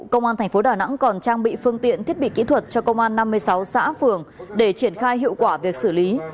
công an tp đà nẵng còn trang bị phương tiện thiết bị kỹ thuật cho công an năm mươi sáu xã phường để triển khai hiệu quả việc xử lý